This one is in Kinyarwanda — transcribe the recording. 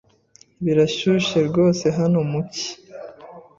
Birashyushye rwose hano mu cyi.